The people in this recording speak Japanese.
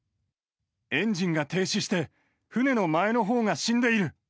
エンジンが停止して、船の前のほうが死んでいる。